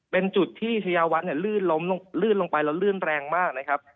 เป็นจุดที่ชายาวัดลื่นลงไปแล้วลื่นแรงมากนะครับ